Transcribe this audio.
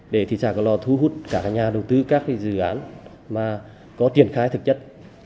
để thị xã cửa lò thu hút cả nhà đầu tư các dự án mà có triển khai thực chất